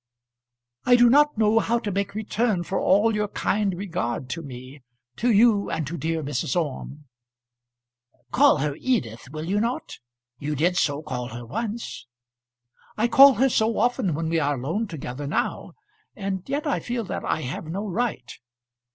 "I do not know how to make return for all your kind regard to me; to you and to dear Mrs. Orme." "Call her Edith, will you not? You did so call her once." "I call her so often when we are alone together, now; and yet I feel that I have no right."